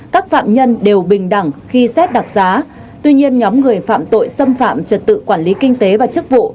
các phạm nhân đều bình đẳng khi xét đặc giá tuy nhiên nhóm người phạm tội xâm phạm trật tự quản lý kinh tế và chức vụ